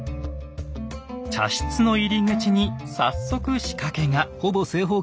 茶室の入口に早速仕掛けが！